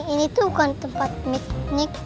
ini tuh bukan tempat piknik